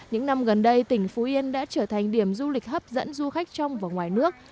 những năm gần đây tỉnh phú yên đã trở thành điểm du lịch hấp dẫn du khách trong và ngoài nước